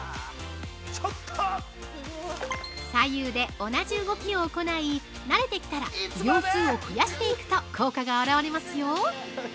左右で、同じ動きを行い、なれてきたら、秒数を増やしていくと、効果が現れますよ。